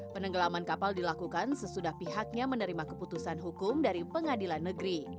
penenggelaman kapal dilakukan sesudah pihaknya menerima keputusan hukum dari pengadilan negeri